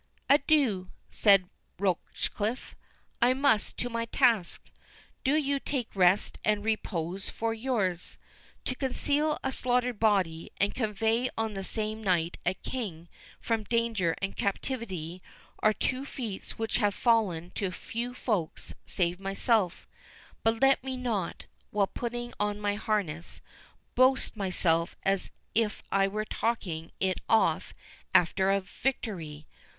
"Adieu," said Rochecliffe, "I must to my task—Do you take rest and repose for yours. To conceal a slaughtered body, and convey on the same night a king from danger and captivity, are two feats which have fallen to few folks save myself; but let me not, while putting on my harness, boast myself as if I were taking it off after a victory."